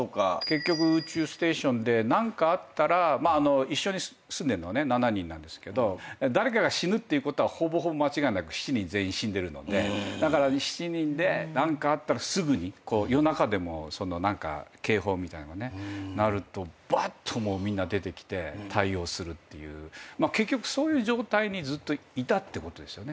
結局宇宙ステーションで何かあったら一緒に住んでるのは７人なんですけど誰かが死ぬっていうことはほぼほぼ間違いなく７人全員死んでるのでだから７人で何かあったらすぐに夜中でも警報みたいの鳴るとばっとみんな出てきて対応するっていう結局そういう状態にずっといたってことですよね。